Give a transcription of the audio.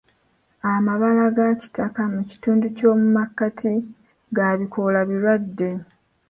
Amabala ga kitaka mu kitundu ky'omu makkati ga bikoola birwadde.